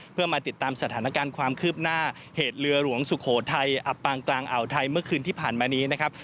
เพื่อมาติดตามสถานการณ์ความคืบหน้าเหตุเรือหลวงสุโขทัยอับปางกลางอ่าวไทยเมื่อคืนที่ผ่านมานี้นะครับ